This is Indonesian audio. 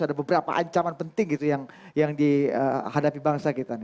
ada beberapa ancaman penting gitu yang dihadapi bangsa kita